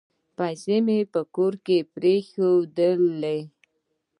پیسې مي په کور کې پرېښولې .